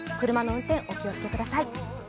車の運転、お気をつけください。